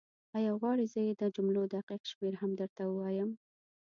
ایا غواړې زه یې د جملو دقیق شمېر هم درته ووایم؟